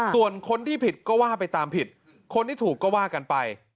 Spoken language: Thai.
ส่วนคนที่ผิดก็ว่าไปตามผิดคนที่ถูกก็ว่ากันไป